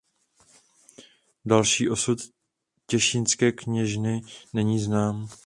Další osud těšínské kněžny není znám.